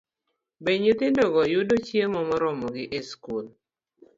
Be nyithindogo yudo chiemo moromogi e skul?